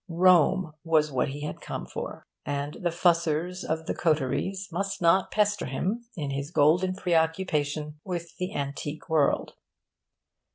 Rome was what he had come for; and the fussers of the coteries must not pester him in his golden preoccupation with the antique world.